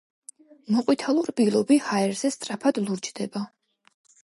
მოყვითალო რბილობი ჰაერზე სწრაფად ლურჯდება.